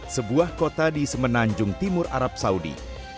sebuah kota di semenanjung timur arab saudi